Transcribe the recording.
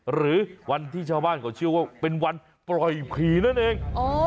หรือวันที่ชาวบ้านเขาเชื่อว่าเป็นวันปล่อยผีนั่นเอง